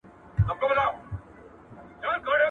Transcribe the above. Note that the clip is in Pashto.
آیا خپل هېواد تر پردي هېواد خوږ دی؟